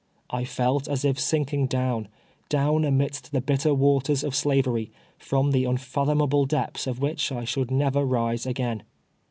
I felt as if sinking down, down, amidst the bitter waters of Slavery, from the unfathomable depths of which I should never rise again.